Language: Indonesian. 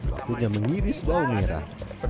waktunya mengiris bawang merah